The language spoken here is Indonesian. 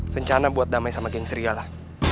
rencana buat damai sama geng serialah